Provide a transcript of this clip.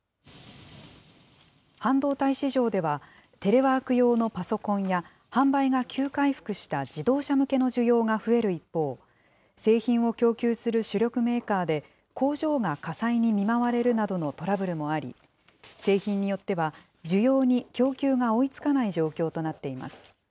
半導体市場では、テレワーク用のパソコンや、販売が急回復した自動車向けの需要が増える一方、製品を供給する主力メーカーで、工場が火災に見舞われるなどのトラブルもあり、製品によっては、需要に供給が追いつかない状況になっています。